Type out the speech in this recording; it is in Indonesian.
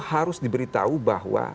harus diberitahu bahwa